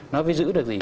nó phải giữ được gì